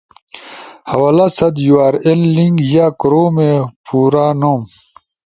حوالہ ست یو آر ایل لنک یا کورومی پورا نوم۔